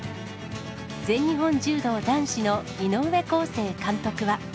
全日本柔道男子の井上康生監督は。